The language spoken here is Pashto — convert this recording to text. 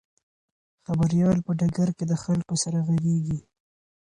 خبریال په ډګر کې د خلکو سره غږیږي.